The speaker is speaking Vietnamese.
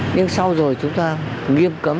nhưng sau rồi chúng ta nghiêm cấm